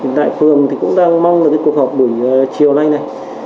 hiện tại phường cũng đang mong là cuộc họp buổi chiều nay này